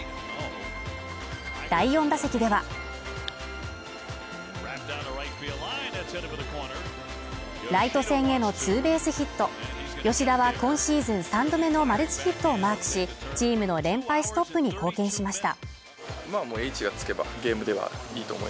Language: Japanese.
第４打席では、ライト線へのツーベースヒット吉田は今シーズン３度目のマルチヒットをマークしチームの連敗ストップに貢献しました。